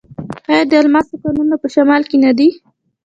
آیا د الماس کانونه په شمال کې نه دي؟